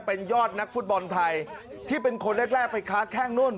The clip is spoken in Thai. เป็นยอดนักฟุตบอลไทยที่เป็นคนแรกไปค้าแข้งนู่น